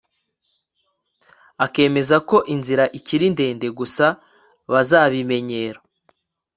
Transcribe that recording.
akemeza ko inzira ikiri ndende gusa bazabimenyera